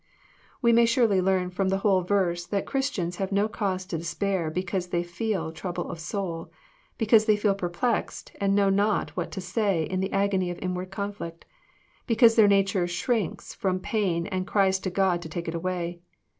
We may surely learn ft*om the whole verse that Christians have no cause to despair because they feel trouble of soul, — be cause they feel perplexed, and know not what to say in the agony of inward conflict, — because their nature shrinks f1*om pain, and cries to God to take it away.